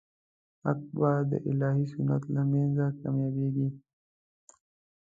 حق به د الهي سنت له مخې کامیابېږي.